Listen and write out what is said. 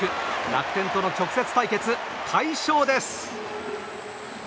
楽天との直接対決、快勝です。